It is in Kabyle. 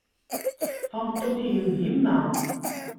Tameṭṭut ihin d yemma.